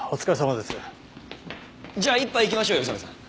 じゃあ一杯行きましょうよ宇佐見さん。